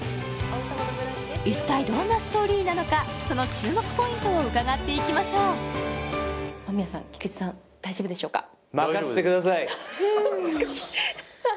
一体どんなストーリーなのかその注目ポイントを伺っていきましょう間宮さん菊池さん大丈夫でしょうか？